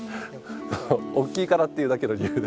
大きいからっていうだけの理由で。